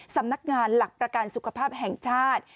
สำนักงานหลักประกันสุขภาพแห่งชาติ